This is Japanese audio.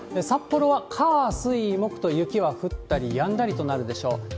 札幌は火、水、木と雪は降ったりやんだりとなるでしょう。